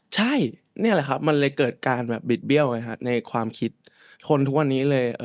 ใช่นี่แหละครับมันเลยเกิดการแบบบิดเบี้ยวไงฮะในความคิดทนทุกวันนี้เลย